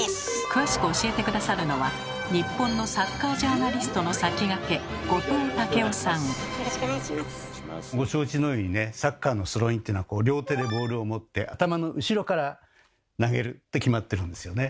詳しく教えて下さるのは日本のサッカージャーナリストの先駆けご承知のようにねサッカーのスローインっていうのはって決まってるんですよね。